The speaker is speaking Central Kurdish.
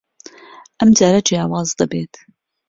ئەم جارە جیاواز دەبێت.